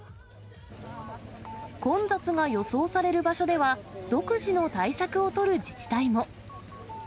混雑が予想される場所では、独自の対策を取る自治体も。